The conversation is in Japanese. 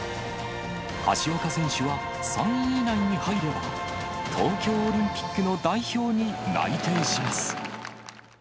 橋岡選手は３位以内に入れば、東京オリンピックの代表に内定します。